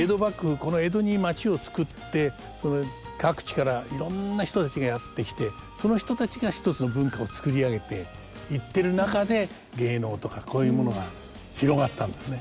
この江戸に町をつくって各地からいろんな人たちがやってきてその人たちがひとつの文化をつくりあげていってる中で芸能とかこういうものが広がったんですね。